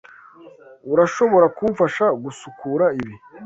Urashobora kumfasha gusukura ibi?